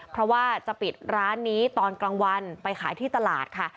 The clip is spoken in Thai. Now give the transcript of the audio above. เพราะว่าจะปิดร้านนี้ตอนกลางวันไปขายที่ตลาดค่ะ